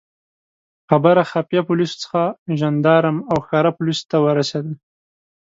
خبره خفیه پولیسو څخه ژندارم او ښکاره پولیسو ته ورسېده.